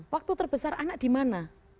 waktu terbesar anak dimana